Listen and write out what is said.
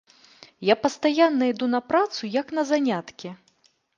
Я пастаянна іду на працу, як на заняткі.